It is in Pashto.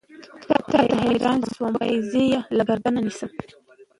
تا ته حېران شوم وائې زۀ يې له ګردنه نيسم